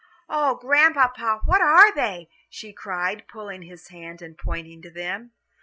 "Oh, Grandpapa, what are they?" she cried, pulling his hand and pointing to them.